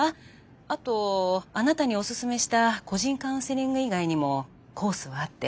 あとあなたにオススメした個人カウンセリング以外にもコースはあって